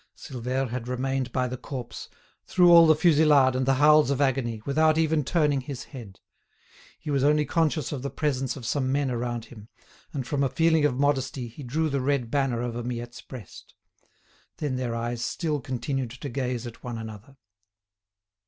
Silvère had remained by the corpse, through all the fusillade and the howls of agony, without even turning his head. He was only conscious of the presence of some men around him, and, from a feeling of modesty, he drew the red banner over Miette's breast. Then their eyes still continued to gaze at one another.